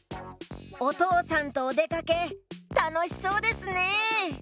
おとうさんとおでかけたのしそうですね！